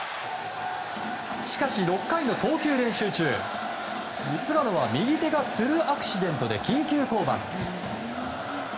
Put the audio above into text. しかし、６回の投球練習中菅野は右手がつるアクシデントで緊急降板。